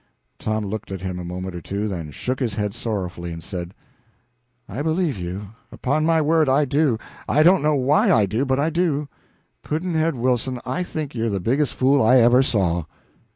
Tom looked at him a moment or two, then shook his head sorrowfully and said "I believe you upon my word I do. I don't know why I do, but I do. Pudd'nhead Wilson, I think you're the biggest fool I ever saw."